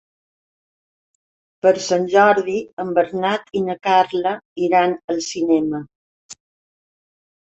Per Sant Jordi en Bernat i na Carla iran al cinema.